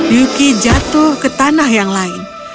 yuki jatuh ke tanah yang lain